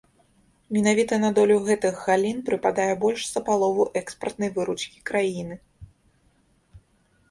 Менавіта на долю гэтых галін прыпадае больш за палову экспартнай выручкі краіны.